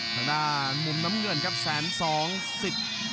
ทางด้านมุมน้ำเงินครับแสนสองสิบ